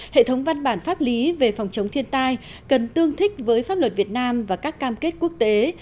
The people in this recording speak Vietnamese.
hệ thống văn bản pháp lý về phòng chống thiên tai cần tương thích với pháp luật việt nam và các cam kết quốc tế